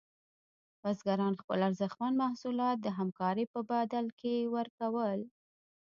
بزګران خپل ارزښتمن محصولات د همکارۍ په بدل کې ورکول.